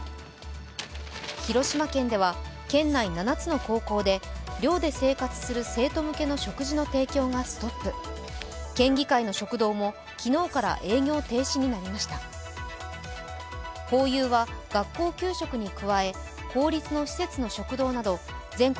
広島県では県内７つの高校で寮で生活する生徒向けの食事の提供がストップ県議会の食堂も昨日から営業停止になりましたホーユーは学校給食に加え公立の施設の食堂など全国